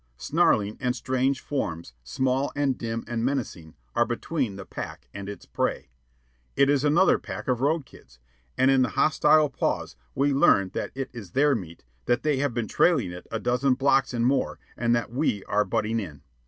snarling and strange forms, small and dim and menacing, are between the pack and its prey. It is another pack of road kids, and in the hostile pause we learn that it is their meat, that they have been trailing it a dozen blocks and more and that we are butting in.